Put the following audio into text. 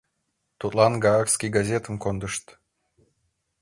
Тудлан гаагский газетым кондышт.